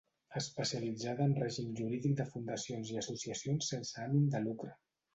Especialitzada en règim jurídic de fundacions i associacions sense ànim de lucre.